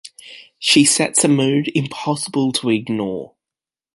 She sets a mood impossible to ignore.